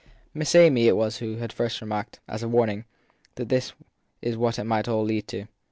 Miss Amy it was who had first remarked, as a warning, that this was what it might all lead to.